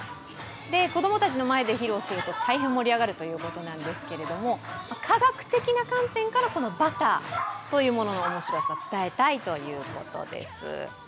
子供たちの前で披露すると大変盛り上がるということなんですけれども、科学的な観点からバターというものの面白さを伝えたいということです。